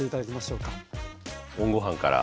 ＯＮごはんから。